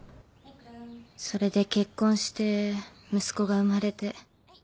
それで結婚して息子が生まれて。